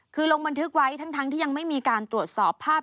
คือลงบันทึกไว้ทั้งที่ยังไม่มีการตรวจสอบภาพ